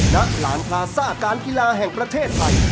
หลานพลาซ่าการกีฬาแห่งประเทศไทย